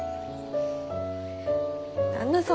旦那様